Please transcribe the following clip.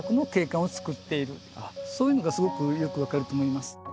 そういうのがすごくよく分かると思います。